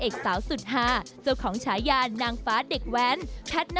เอกสาวสุดฮาเจ้าของฉายานางฟ้าเด็กแว้นแพทนา